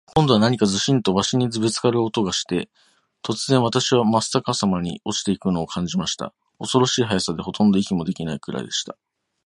今度は何かズシンと鷲にぶっつかる音がして、突然、私はまっ逆さまに落ちて行くのを感じました。恐ろしい速さで、ほとんど息もできないくらいでした。